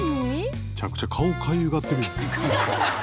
めちゃくちゃ顔かゆがってるやん。